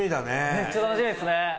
めっちゃ楽しみですね！